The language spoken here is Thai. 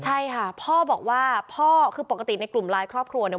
ใช่ค่ะพ่อบอกว่าพ่อคือปกติในกลุ่มไลน์ครอบครัวเนี่ย